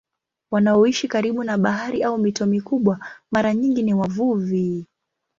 Wanaoishi karibu na bahari au mito mikubwa mara nyingi ni wavuvi.